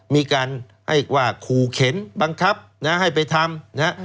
มีการให้ว่าขู่เข็นบังคับนะให้ไปทำนะฮะ